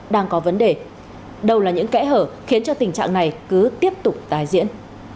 đang có vấn đề đâu là những kẽ hở khiến cho tình trạng này cứ tiếp tục tái diễn